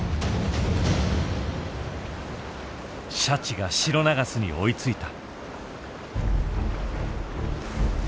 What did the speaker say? シャチがシロナガスに追いついた。